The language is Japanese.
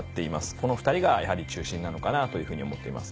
この２人がやはり中心なのかなというふうに思っています。